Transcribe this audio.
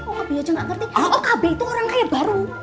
okb aja gak ngerti okb itu orang kaya baru